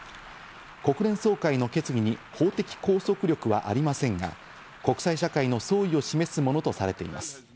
国連総会の決議に法的拘束力はありませんが、国際社会の総意を示すものとされています。